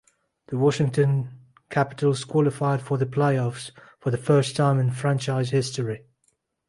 The Washington Capitals qualified for the playoffs for the first time in franchise history.